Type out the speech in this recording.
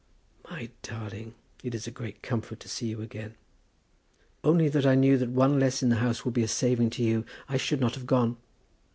"My darling! it is a great comfort to see you again." "Only that I knew that one less in the house would be a saving to you I should not have gone.